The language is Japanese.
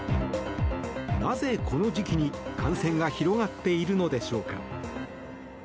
なぜ、この時期に感染が広がっているのでしょうか。